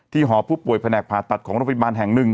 หอผู้ป่วยแผนกผ่าตัดของโรงพยาบาลแห่งหนึ่ง